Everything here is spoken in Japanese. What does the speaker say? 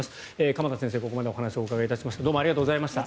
鎌田先生にここまでお話をお伺いしました。